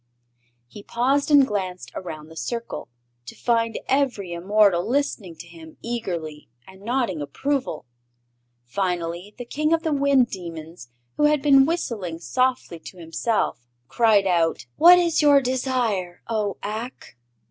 He paused and glanced around the circle, to find every immortal listening to him eagerly and nodding approval. Finally the King of the Wind Demons, who had been whistling softly to himself, cried out: "What is your desire, O Ak?"